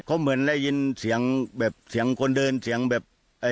เขาเหมือนได้ยินเสียงแบบเสียงคนเดินเสียงแบบเอ่อ